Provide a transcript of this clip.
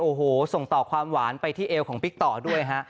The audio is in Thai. โอ้โหส่งต่อความหวานไปที่เอวของปิ๊กต่อด้วยฮะ